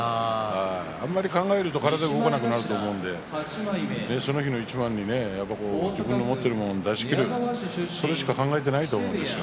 あまり考えると体が動かなくなると思うのでその日の一番に自分の持っているものを出し切るそれしか考えていないと思うんですよ。